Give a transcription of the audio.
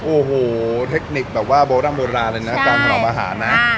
โอ้โหเทคนิคแบบว่าโบร่ำโบราณเลยนะการถนอมอาหารนะ